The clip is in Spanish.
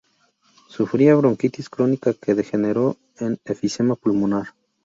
Sufría bronquitis crónica, que degeneró en enfisema pulmonar.